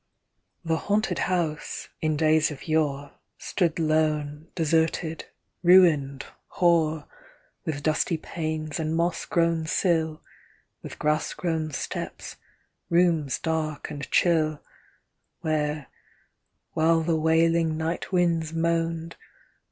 The Haunted House, in days of yore, Stood lone, deserted, ruined, hoar. With dusty panes, and moss grown sill. With grass grown steps, rooms dark and chill, Where, while the wailing night winds moaned.